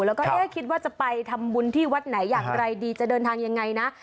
แล้วก็เอ๊ะคิดว่าจะไปทำบุญที่วัดไหนอย่างไรดีจะเดินทางยังไงนะ